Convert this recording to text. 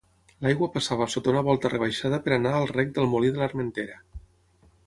L'aigua passava sota una volta rebaixada per anar al rec del molí de l'Armentera.